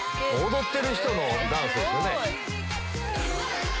踊ってる人のダンスですよね。